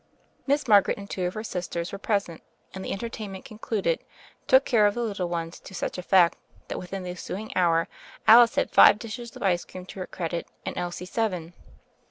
Miss Margaret and two of her sisters were present, and, the entertainment concluded, took care of the little ones to such effect that within the ensuing hour Alice had five dishes of ice cream to her credit and Elsie seven.